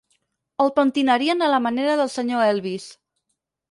El pentinarien a la manera del senyor Elvis.